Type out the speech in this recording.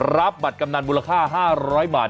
รับบัตรกำนันมูลค่า๕๐๐บาท